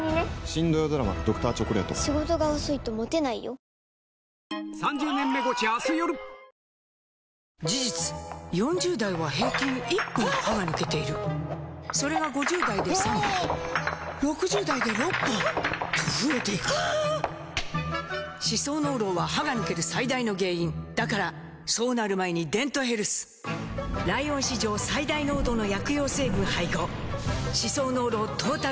昭和の国民的スター、ピンク・レディーですが、事実４０代は平均１本歯が抜けているそれが５０代で３本６０代で６本と増えていく歯槽膿漏は歯が抜ける最大の原因だからそうなる前に「デントヘルス」ライオン史上最大濃度の薬用成分配合歯槽膿漏トータルケア！